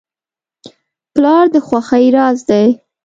پلار د خوښۍ راز دی.